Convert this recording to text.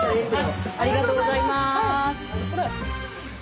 ありがとうございます。